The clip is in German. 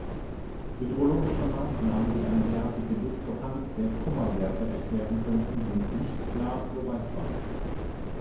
Hydrologische Maßnahmen, die eine derartige Diskrepanz der Kumma-Werte erklären könnten, sind nicht klar beweisbar.